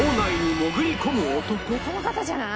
「この方じゃない？」